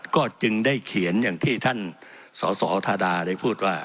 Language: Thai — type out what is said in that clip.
ก็จึงได้เขียนอย่างที่ท่านสสธาดาได้พูดว่า